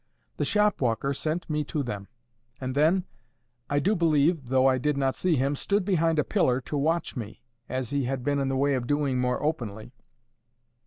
The shop walker sent me to them, and then, I do believe, though I did not see him, stood behind a pillar to watch me, as he had been in the way of doing more openly.